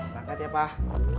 pakat ya pak